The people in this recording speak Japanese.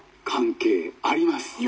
「関係あります」。